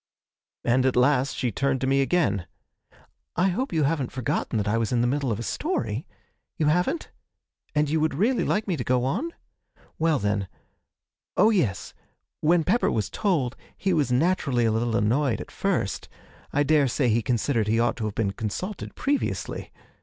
And at last she turned to me again: 'I hope you haven't forgotten that I was in the middle of a story. You haven't? And you would really like me to go on? Well, then oh yes, when Pepper was told, he was naturally a little annoyed at first. I daresay he considered he ought to have been consulted previously.